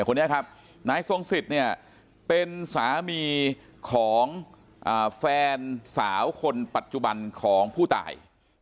นายทรงศิษย์เป็นสามีของแฟนสาวคนปัจจุบันของผู้ตาย